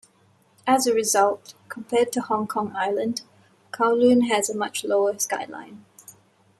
As a result, compared to Hong Kong Island, Kowloon has a much lower skyline.